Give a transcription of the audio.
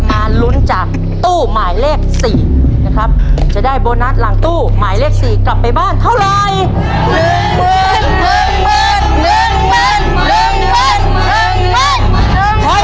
ลุ้นจากตู้หมายเลข๔นะครับจะได้โบนัสหลังตู้หมายเลข๔กลับไปบ้านเท่าไร